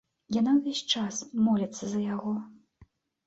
Яна ўвесь час моліцца за яго.